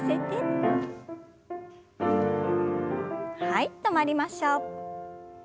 はい止まりましょう。